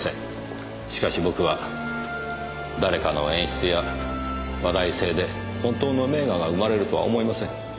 しかし僕は誰かの演出や話題性で本当の名画が生まれるとは思いません。